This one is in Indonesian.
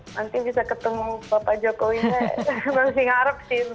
nanti bisa ketemu bapak joko ini masih ngarep sih itu